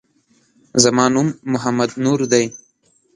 زما نوم محمد نور دی